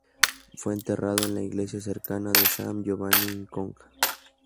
Fue enterrado en la iglesia cercana de "San Giovanni in Conca".